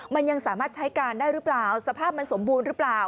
มันยังสามารถใช้การได้หรือเปล่าสภาพมันสมบูรณ์หรือเปล่า